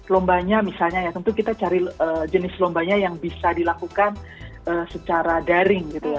lombanya misalnya ya tentu kita cari jenis lombanya yang bisa dilakukan secara daring gitu ya